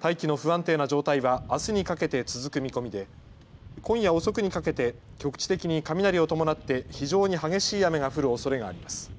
大気の不安定な状態はあすにかけて続く見込みで今夜遅くにかけて局地的に雷を伴って非常に激しい雨が降るおそれがあります。